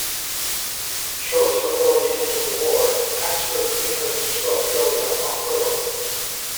Shortly before the end of the war, Axford returned to Australia on furlough.